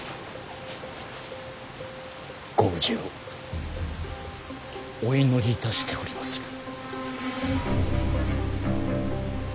ご無事をお祈りいたしておりまする。